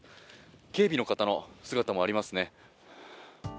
警備の方の姿もありますね。